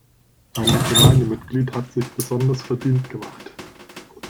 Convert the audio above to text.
Ein Gemeindemitglied hat sich besonders verdient gemacht.